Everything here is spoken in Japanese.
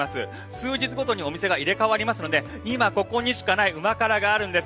数日ごとにお店が入れ替わりますので今ここにしかない旨辛があるんです。